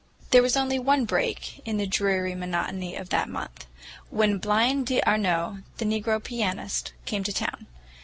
There was only one break in the dreary monotony of that month; when Blind d'Arnault, the negro pianist, came to town.